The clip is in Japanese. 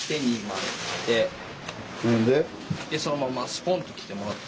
ほんで？でそのままスポンと着てもらって。